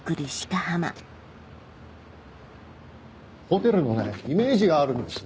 ホテルのねイメージがあるんです。